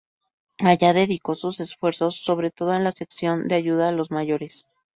Allí dedicó sus esfuerzos sobre todo en la sección de ayuda a los mayores.